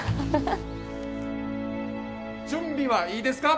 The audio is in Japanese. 準備はいいですか？